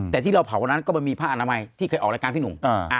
แต่ที่เราเผาวันนั้นก็มันมีผ้าอนามัยที่เคยออกรายการพี่หนุ่ม